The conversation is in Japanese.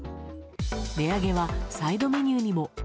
値上げはサイドメニューにも。